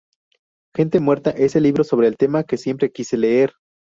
Gente Muerta es el libro sobre el tema que siempre quise leer".